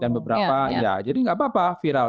dan beberapa ya jadi nggak apa apa viral